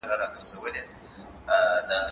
زه اجازه لرم چي کتابتون ته راشم،